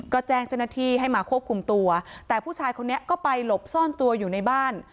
ก็แจ้งเจ้าหน้าที่ให้มาควบคุมตัวแต่ผู้ชายคนนี้ก็ไปหลบซ่อนตัวอยู่ในบ้าน